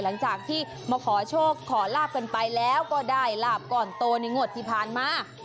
หลังจากที่มาขอโชคขอลาบกันไปแล้วก็ได้ลาบก่อนโตในงวดที่ผ่านมา